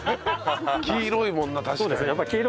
黄色いもんな確かに。